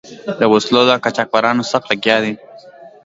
د وسلو له قاچبرانو سخت لګیا دي.